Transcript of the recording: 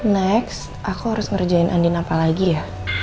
next aku harus ngerjain andin apa lagi ya